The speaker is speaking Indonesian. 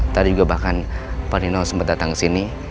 tadi juga bahkan pak nino sempat datang kesini